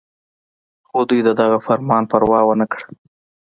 خو دوي د دغه فرمان پروا اونکړه